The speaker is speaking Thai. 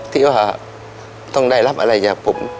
ที่ว่าต้องได้รับอะไรจากผม